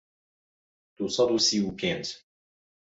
دوو سەد و سی و پێنج